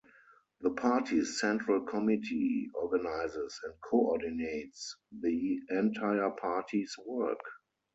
The party's Central Committee organizes and coordinates the entire party's work.